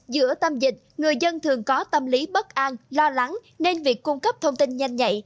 giữa tâm dịch người dân thường có tâm lý bất an lo lắng nên việc cung cấp thông tin nhanh nhạy